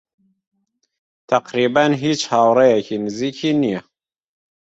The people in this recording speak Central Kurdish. تەقریبەن هیچ هاوڕێیەکی نزیکی نییە.